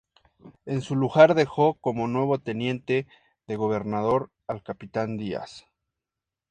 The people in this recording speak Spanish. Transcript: En su lugar dejó como nuevo teniente de gobernador al capitán Díaz.